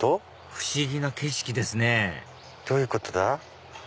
不思議な景色ですねどういうことだ？